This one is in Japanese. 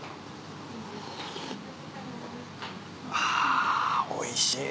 あおいし。